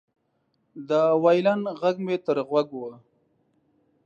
د وایلن غږ مې تر غوږ و